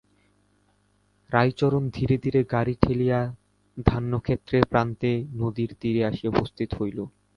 রাইচরণ ধীরে ধীরে গাড়ি ঠেলিয়া ধান্যক্ষেত্রের প্রান্তে নদীর তীরে আসিয়া উপস্থিত হইল।